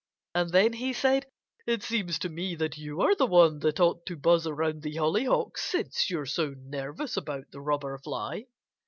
And then he said: "It seems to me that you are the one that ought to buzz around the hollyhocks, since you are so nervous about the Robber Fly."